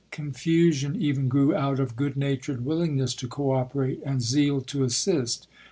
Confusion even grew out of good natured willingness to cooperate and zeal to assist.